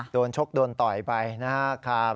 ชกโดนต่อยไปนะครับ